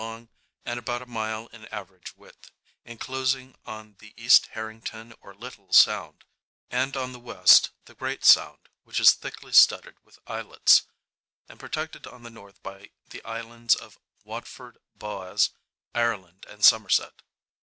long and about a mile in average width, enclosing on the east Harrington or Little Sound, and on the west the Great Sound, which is thickly studded with islets, and protected on the north by the islands of Watford, Boaz, Ireland and Somerset.